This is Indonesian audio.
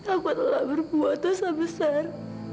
aku telah berbuat dosa besar